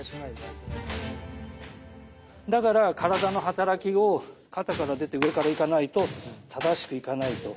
だから体の働きを肩から出て上からいかないと正しくいかないと。